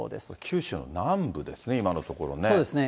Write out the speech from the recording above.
九州の南部ですね、今のところね。